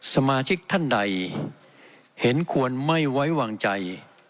สมาชิกท่านใดเห็นควรไม่ไว้วางใจ